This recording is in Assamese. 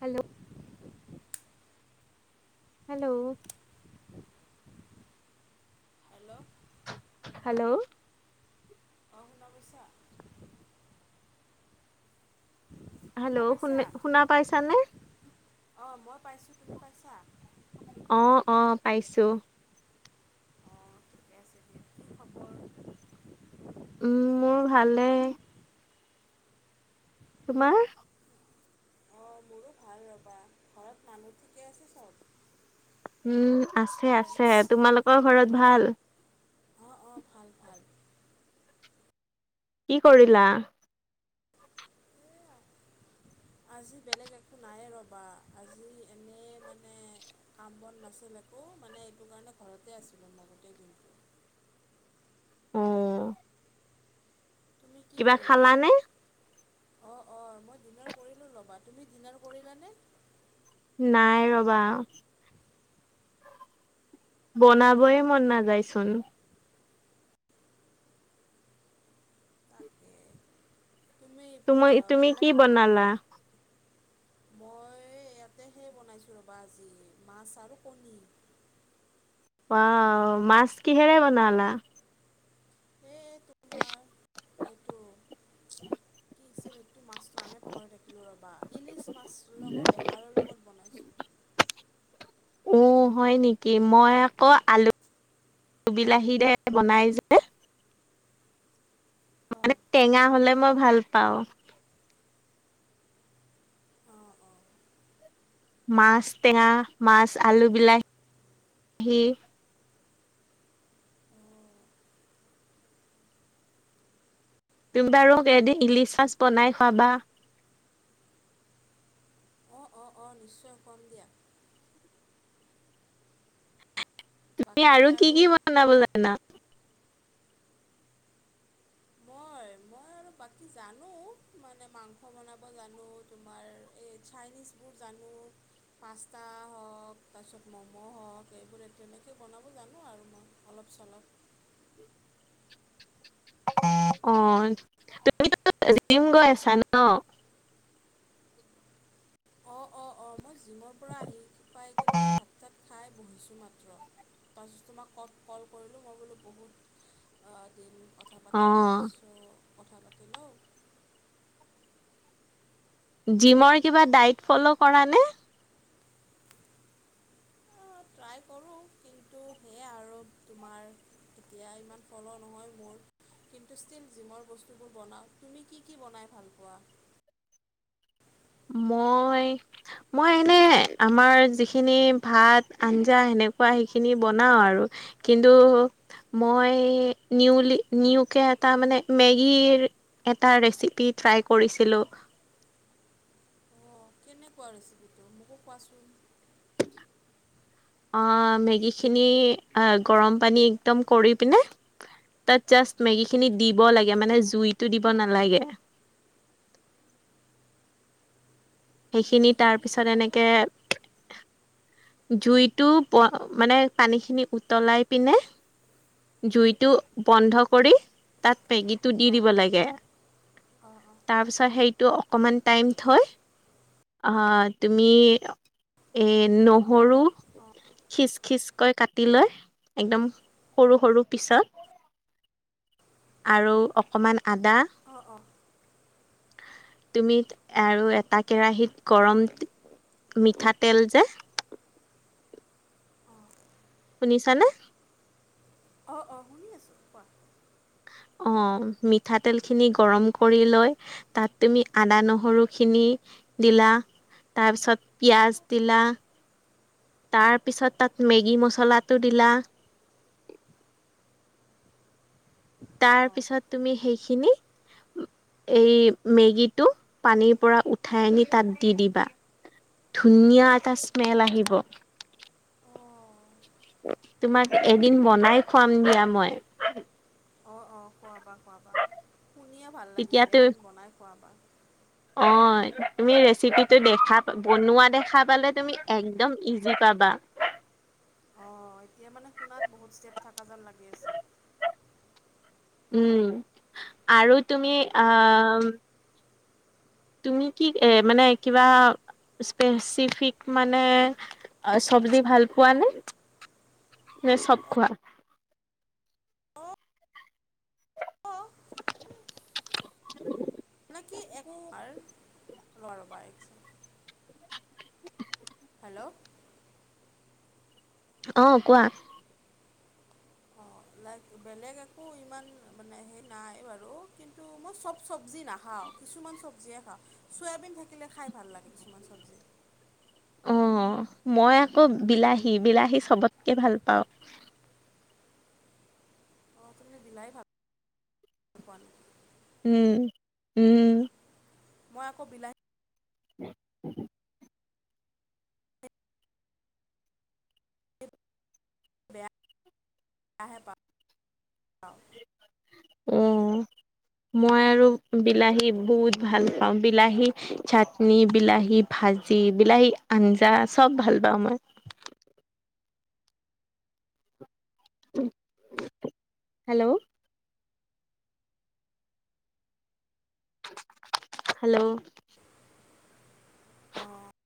হেল্ল' হেল্ল' হেল্ল' হেল্ল' অ শুনা পাইছা। শুনা হেল্ল' পাইছা শুনে শুনা পাইছানে? অ মই পাইছো। তুমি পাইছা? অ অ পাইছো। অঁ ঠিকে আছে খবৰ। মোৰ ভালে। তোমাৰ? অ মোৰো ভাল ৰ'বা। ঘৰত মানুহ ঠিকে আছে চব? উম আছে আছে। তোমালোকৰ ঘৰত ভাল? অ অ ভাল ভাল। কি কৰিলা? এইয়া আজি বেলেগ একো নাই ৰ'বা আজি এনেই মানে কাম বন নাছিল একো মানে এইটো কাৰণে ঘৰতে আছিলো মই গোটেই দিনটো। ওম। তুমি কি কৰিলা? খালানে? অ অ মই ডিনাৰ কৰিলোঁ ল'বা। তুমি ডিনাৰ কৰিলানে? নাই ৰ'বা। বনাবয়ে মন নাযায়চোন। তাকে তুমি আ তুমি কি বেলেগক বনালা? মই ইয়াতে সে বনাইছোঁ ৰ'বা আজি মাছ আৰু কণী। ৱাও মাছ কিহেৰে বনালা? হে তোমাৰ এইটো কি আছিল টো মাছ নামে পাহৰি থাকিলো ৰ'বা ইলিছ মাছ লগত বেহাৰৰ লগত বনাইছো। উ হয় নেকি মই আকৌ আলু বিলাহীৰে বনাই জা- অঁ মানে টেঙা হ'লে মই ভাল পাওঁ। অঁ অঁ মাছ টেঙা, মাছ আলু বিলা হী তুমি বাৰু এদিন ইলিচ মাছ বনাই খোৱাবা। অ অ অ নিশ্চয় খোৱাম দিয়া। তুমি আৰু কি কি বনাবলে আনা? মই মই আৰু বাকী জানোঁ মানে মাংস বনাব জানোঁ। তোমাৰ এই চাইনিজবোৰ জানোঁ। পাস্তা হওঁক তাৰপিছত ম'ম' হওঁক এইবোৰ তেনেকৈ বনাব জানো আৰু মই। অলপ চলপ [inaudible] অ তুমিতো জিম গৈ আছা ন। অ অ অ মই জিমৰ পৰা আহি পাই কিনে ভাত চাত খাই বহিছোঁ মাত্ৰ তাৰপিছত তোমাক কল কল কৰিলোঁ মই বোলো। বহুত দিন কথা পতা নাই অ', চ' কথা পাতি লওঁ। জিমৰ কিবা ডাইট ফ'ল' কৰা নে। ট্ৰাই কৰোঁ কিন্তু সেয়াই আৰু তোমাৰ এতিয়া ইমান ফ'ল' নহয় মোৰ- কিন্তু ষ্টীল জিমৰ বস্তুবোৰ বনাওঁ তুমি কি কি বনাই ভাল পোৱা। মই মই এনে আমাৰ যিখিনি ভাত, আঞ্জা, সেনেকুৱা সেইখিনি বনাওঁ। আৰু কিন্তু মই নিউলি নিউকে এটা মানে মেগীৰ- এটা ৰেচিপি ট্ৰাই কৰিছিলোঁ। অঁ কেনেকুৱা ৰেচিপিটো মোকো কোৱাচোন। অঁ মেগীখিনি এই গৰম পানী একদম কৰি পিনে। তাত জাষ্ট মেগী খিনি দিব লাগে মানে জুইতটো দিব নালাগে। সেইখিনি মেগীখিনি কি তাৰপিছত ক'লা এনেকে- জুইটো মানে পানীখিনি উতলাই পিনে উম, জুইটো। বন্ধ কৰি তাত মেগীটো দি অঁ দিব লাগে অঁ তাৰপিছত সেইটো অকণমান টাইম থয় তুমি এই ন সৰু অঁ অঁ খিচ-খিচকৈ কাটি লয় একদম সৰু সৰু পিছত আৰু অকণমান আদা অ', অ' [inaudible] তুমিত আৰু এটা কেৰাহীত গৰম মিঠাতেল যে অঁ শুনিছানে? অ অ শুনি আছোঁ কোৱা? অঁ মিঠাতেলখিনি গৰম কৰি লৈ। তাত তুমি আদা নহৰু খিনি দিলা। তাৰপিছত পিয়াঁজ, দিলা। তাৰপিছত তাত মেগী, মছলাটো দিলা। তাৰ অঁ পিছত তুমি সেইখিনি এই মেগীটো পানীৰ পৰা উঠাই আনি তাত দি দিবা। ধুনীয়া এটা স্মেল আহিব। অ', তোমাক এদিন বনাই খুৱাম দিয়া মই। অ', অ' খোৱাবা-খোৱাবা শুনিয়ে ভাল লাগিছে তেতিয়াতো এদিন বনাই খোৱাবা। অ, 'তুমি ৰেচিপিটো দেখা বনোৱা দেখা পালে তুমি একদম ইজি পাবা। অ'এতিয়া মানে শুনাত বহুত ষ্টেপ থকা যেন লাগি আছে। উম, আৰু তুমি আ তুমি'কি এ মানে কিবা স্পেচিফিক মানে আৰু চজ্বি ভাল পোৱা ন, নে চব খোৱা? অঁ অঁ মানে [inaudible] কি একো একবাৰ লোৱাৰবা একচোন। হেল্ল' অ', কোৱা? অ', লাইক বেলেগ একো ইমান মানে সেই নাই বাৰু কিন্তু মই চব চবজি নাখাওঁ। কিছুমান চব্জিয়ে খাওঁ, চয়াবিন থাকিলে খাই ভাল লাগে কিছুমান চব্জি। অ', মই আকৌ বিলাহী বিলাহী চবতকে ভাল পাওঁ। অ', তুমি বিলাহ ভাল পোৱা উম, উম। মই আকৌ বিলাহী [inaudible] আহে পাওঁ [unintelligible] উম। মই আৰু বিলাহী বহুত ভাল পাওঁ বিলাহী চাটনি, বিলাহী ভাজি, বিলাহী আঞ্জা, চব ভাল পাওঁ মই। হেল্ল'? হেল্ল'? অ'।